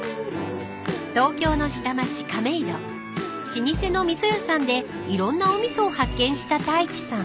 ［東京の下町亀戸老舗の味噌屋さんでいろんなお味噌を発見した太一さん］